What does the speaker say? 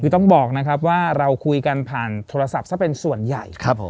คือต้องบอกนะครับว่าเราคุยกันผ่านโทรศัพท์ซะเป็นส่วนใหญ่ครับผม